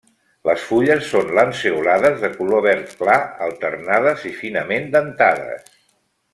Les fulles són lanceolades de color verd clar, alternades i finament dentades.